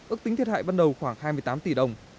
ước tính thiệt hại bắt đầu khoảng hai mươi tám tỷ đồng